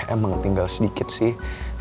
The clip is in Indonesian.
emang tinggal sedikit sih